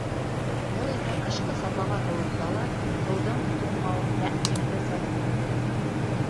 Был иһә ҡышҡы сатлама һыуыҡта ла һыуҙың туңмауын тәьмин итәсәк.